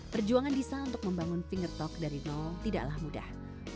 perjuangan disa untuk membangun finger talk dari nol tidaklah mudah